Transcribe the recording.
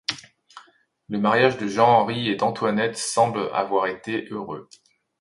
Le mariage de Jean-Henri et d'Antoinette semble avoir été heureux.